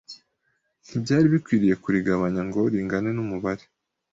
Ntibyari bikwiriye kurigabanya ngo ringane n'umubare